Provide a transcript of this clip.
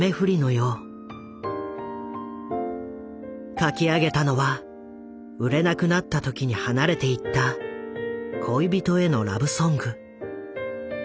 書き上げたのは売れなくなった時に離れていった恋人へのラブソング。